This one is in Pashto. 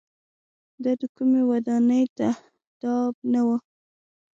دا د کومۍ ودانۍ تهداب نه و.